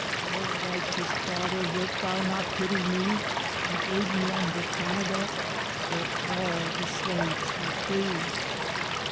Oh, righteous Father, wilt thou not pity me, And aid me on to Canada where all the slaves are free.